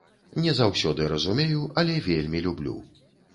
Не заўсёды разумею, але вельмі люблю.